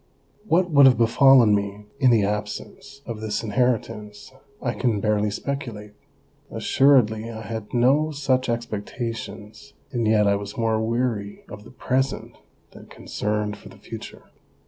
What would have befallen me in the absence of this in heritance I can barely speculate ; assuredly I had no such expectations, and yet I was more weary of the present than concerned for the future.